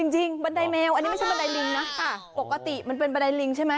บันไดแมวอันนี้ไม่ใช่บันไดลิงนะปกติมันเป็นบันไดลิงใช่ไหม